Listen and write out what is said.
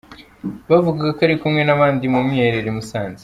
Bavugaga ko ari kumwe n’abandi mu mwiherero i Musanze.